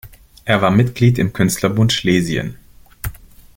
Er war Mitglied im Künstlerbund Schlesien.